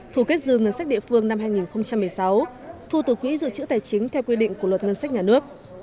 thu kết dư ngân sách địa phương năm hai nghìn một mươi sáu thu từ quỹ dự trữ tài chính theo quy định của luật ngân sách nhà nước